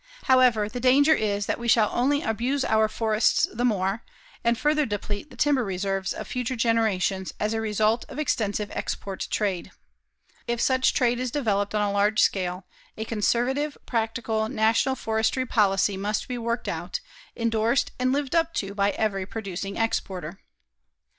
However, the danger is that we shall only abuse our forests the more and further deplete the timber reserves of future generations as a result of extensive export trade. If such trade is developed on a large scale, a conservative, practical national forestry policy must be worked out, endorsed and lived up to by every producing exporter.